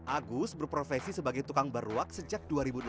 agus berprofesi sebagai tukang barwak sejak dua ribu delapan belas